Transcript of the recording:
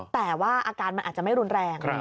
แต่ว่าอาการมันอาจจะไม่รุนแรง